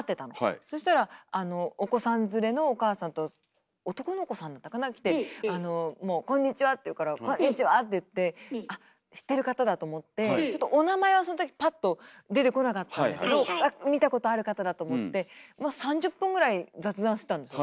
そしたらお子さん連れのもう「こんにちは」って言うから「こんにちは」って言って「あっ知ってる方だ」と思ってちょっとお名前はその時パッと出てこなかったんだけどまあ３０分ぐらい雑談してたんですよ。